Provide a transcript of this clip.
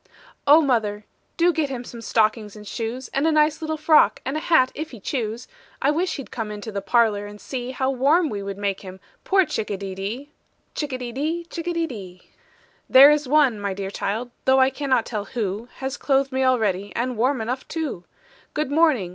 "Oh, mother, do get him some stockings and shoes, And a nice little frock, and a hat if he choose; I wish he'd come into the parlor and see How warm we would make him, poor chick a de dee." Chick a de dee, etc. "There is one, my dear child, though I cannot tell who, Has clothed me already, and warm enough too. Good morning!